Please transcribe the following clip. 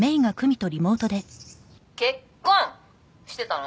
結婚してたの？